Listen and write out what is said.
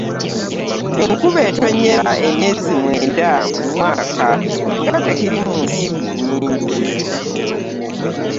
Enkuba etonnyera emyezi mwenda mu mwaka nga tekiri mu nsi nnyingi.